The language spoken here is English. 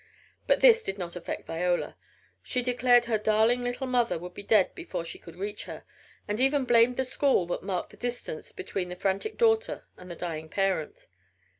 But this did not affect Viola. She declared her darling little mother would be dead before she could reach her, and even blamed the school that marked the distance between the frantic daughter and the dying parent.